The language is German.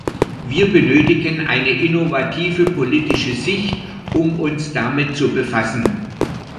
Wir benötigen eine innovative politische Sicht, um uns damit zu befassen.